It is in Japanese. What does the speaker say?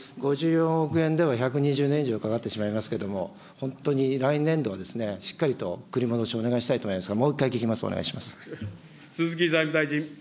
５４億円では１２０年以上かかってしまいますけども、本当に来年度はしっかりと繰り戻しお願いしたいと思いますが、も鈴木財務大臣。